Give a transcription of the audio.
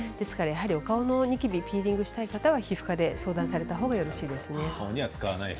顔のニキビやピーリングをしたい方は皮膚科で相談されたほうがよろしいですね。